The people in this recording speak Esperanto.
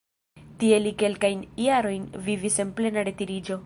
Tie li kelkajn jarojn vivis en plena retiriĝo.